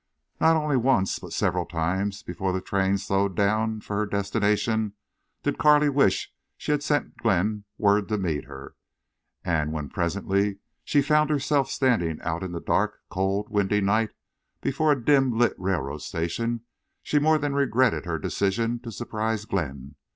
Not only once, but several times before the train slowed down for her destination did Carley wish she had sent Glenn word to meet her. And when, presently, she found herself standing out in the dark, cold, windy night before a dim lit railroad station she more than regretted her decision to surprise Glenn.